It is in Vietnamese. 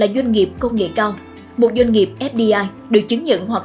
doanh nghiệp công nghệ cao một doanh nghiệp fdi được chứng nhận hoặc